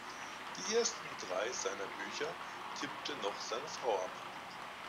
Die ersten drei seiner Bücher tippte noch seine Frau ab.